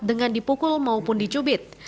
dengan dipukul maupun dicubit